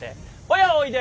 親おいで。